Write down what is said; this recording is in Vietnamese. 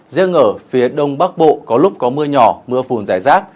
riêng ở phía đông bắc bộ có lúc có mưa nhỏ mưa phùn dài rác